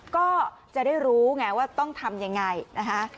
ก็จะได้รู้ไงว่าต้องทำยังไงนะคะ